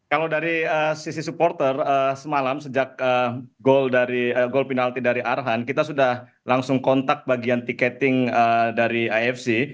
kalau dari sisi supporter semalam sejak gol penalti dari arhan kita sudah langsung kontak bagian tiketing dari afc